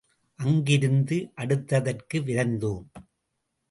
அங்கிருந்து அடுத்ததற்கு விரைந்தோம்.